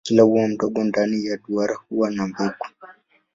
Kila ua mdogo ndani ya duara huwa na mbegu.